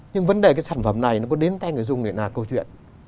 nhưng vấn đề cái sản phẩm này nó có đến tay người dùng để là câu chuyện